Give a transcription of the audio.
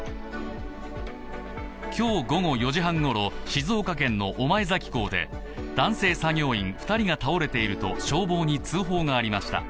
今日午後４時半ごろ、静岡県の御前崎港で男性作業員２人が倒れていると消防に通報がありました。